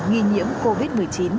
nghi nhiễm covid một mươi chín